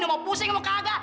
mau pusing mau kagak